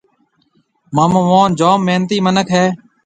مآمو موهن جوم محنتِي مِنک هيَ۔